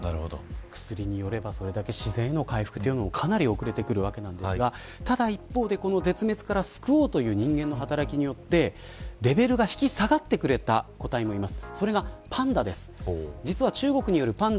薬によればそれだけ自然の回復もかなり遅れてくるわけなんですがただ一方で絶滅から救おうという人間によってレベルが引き下がってくれた個体もいます。